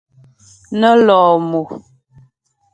Nə́ lɔ̂ mo.